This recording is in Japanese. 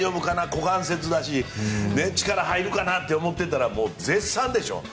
股関節だし力入るかなって思っていたら絶賛でしょ。